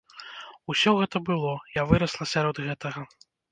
Усё гэта было, я вырасла сярод гэтага.